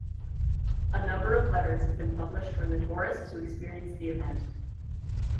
A number of letters have been published from the tourists who experienced the event.